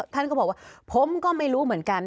ท่านก็บอกว่าผมก็ไม่รู้เหมือนกัน